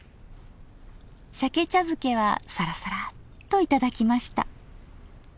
しゃけ茶漬けはサラサラッと頂きました。